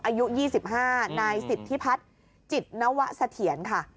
อายุ๒๕นายสิทธิพัฒน์จิตนวะเสถียรค่ะ